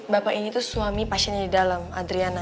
bapak ini tuh suami pasiennya di dalam adriana